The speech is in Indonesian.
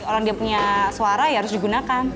orang dia punya suara ya harus digunakan